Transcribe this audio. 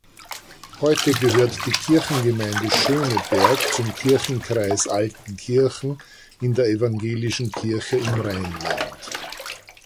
Heute gehört die Kirchengemeinde Schöneberg zum Kirchenkreis Altenkirchen in der Evangelischen Kirche im Rheinland.